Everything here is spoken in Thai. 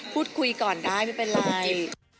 พูดคุยก่อนได้ไม่เป็นไร